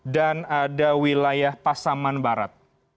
dan ada wilayah pasaman barat